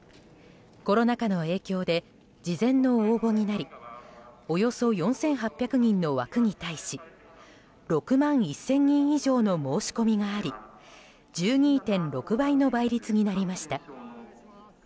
コロナ禍の影響で事前の応募になりおよそ４８００人の枠に対し６万１０００人以上の申し込みがあり１２．６倍の倍率になりました。